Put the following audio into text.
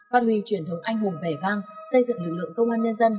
phát huy truyền thống anh hùng vẻ vang xây dựng lực lượng công an nhân dân